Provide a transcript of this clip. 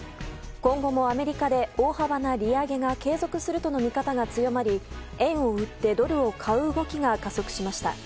今後もアメリカで大幅な利上げが継続するとの見方が強まり円を売って買う動きが加速しました。